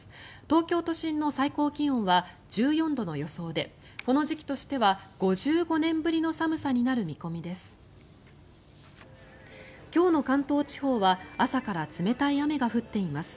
東京都心の最高気温は１４度の予想でこの時期としては５５年ぶりの寒さになる見込みです。